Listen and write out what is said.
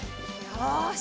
よし。